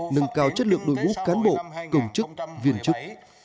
nâng cao chất lượng đội ngũ cán bộ công chức viên chức